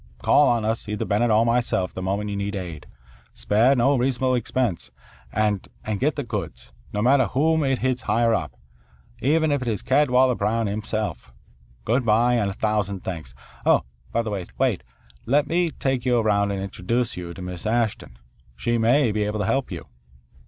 Call on us, either Bennett or myself, the moment you need aid. Spare no reasonable expense, and and get the goods, no matter whom it hits higher up, even if it is Cadwalader Brown himself. Good bye and a thousand thanks oh, by the way, wait. Let me take you around and introduce you to Miss Ashton. She may be able to help you."